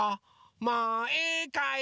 もういいかい？